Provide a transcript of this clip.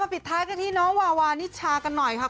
มาปิดทั้งที่น้องวานิจชาหน่อยครับ